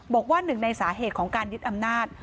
บอกว่าหนึ่งในสาเหตุของการยึดอำนาจ